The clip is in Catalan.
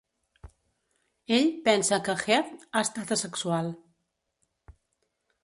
Ell pensa que Heath ha estat asexual.